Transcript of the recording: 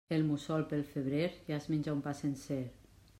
El mussol, pel febrer, ja es menja un pa sencer.